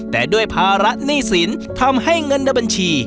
แต่ด้วยภาระหนี้สินทำให้เงินในบัญชี